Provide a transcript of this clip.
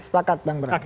sepakat bang bram